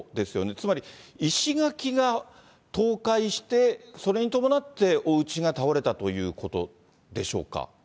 つまり、石垣が倒壊して、それに伴っておうちが倒れたということでしょうか？